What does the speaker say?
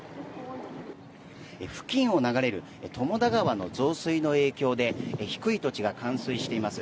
付近を流れる友田川の増水の影響で低い土地が冠水しています。